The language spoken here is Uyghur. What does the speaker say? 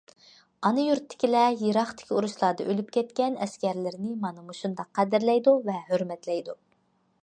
ئانا يۇرتتىكىلەر يىراقتىكى ئۇرۇشلاردا ئۆلۈپ كەتكەن ئەسكەرلىرىنى مانا مۇشۇنداق قەدىرلەيدۇ ۋە ھۆرمەتلەيدۇ.